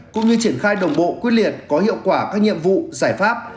cũng như triển khai đồng bộ quyết liệt có hiệu quả các nhiệm vụ giải pháp